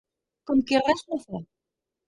Com qui res no fa.